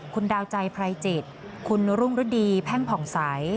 คุณดาวใจพลายจิตคุณรุ่งฤทธิ์แท่งผ่องสาย